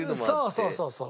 そうそうそうそう。